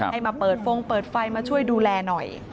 ให้มาเปิดฟงเปิดไฟมาช่วยดูแลหน่อย